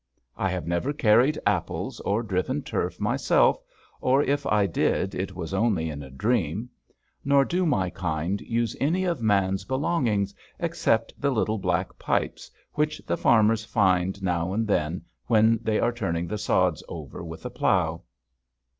I have never carried apples or driven turf myself, or if I did it was only in a dream. Nor do my kind use any of man's belong ings except the little black pipes which the farmers find now and then when they are turning the sods over with a plough.